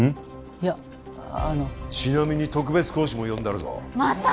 いやあのちなみに特別講師も呼んであるぞまた？